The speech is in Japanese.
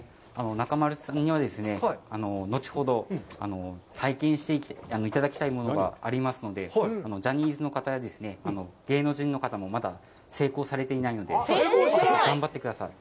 中丸さんには後ほど体験していただきたいものがありますので、ジャニーズの方、芸能人の方もまだ成功されていないので、頑張ってください。